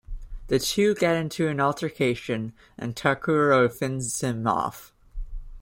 The two get into an altercation and Takuro fends him off.